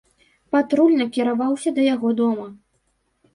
Патруль накіраваўся да яго дома.